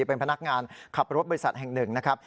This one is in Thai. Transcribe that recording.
เป็นพนักงานขับรถบริษัทแห่งหนึ่งนะครับ